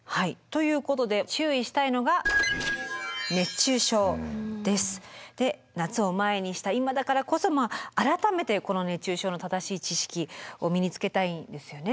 ということで注意したいのが夏を前にした今だからこそ改めてこの熱中症の正しい知識を身につけたいですよね。